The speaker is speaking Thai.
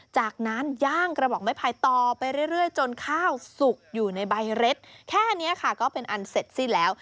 จากนั้นย่างกระบอกไม้ไผ่ต่อไปเรื่อยจนข้าวสุกอยู่ในใบเร็ดแค่นี้ค่ะก็เป็นอันเสร็จสิ้นแล้ว